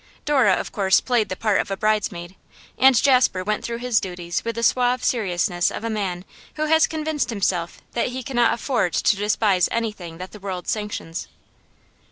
Dora of course played the part of a bridesmaid, and Jasper went through his duties with the suave seriousness of a man who has convinced himself that he cannot afford to despise anything that the world sanctions.